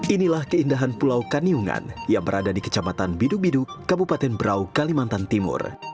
inilah keindahan pulau kaniungan yang berada di kecamatan bidu bidu kabupaten berau kalimantan timur